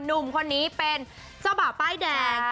หนุ่มคนนี้เป็นเจ้าบ่าวป้ายแดง